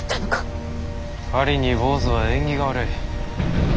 狩りに坊主は縁起が悪い。